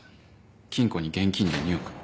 金庫に現金で２億。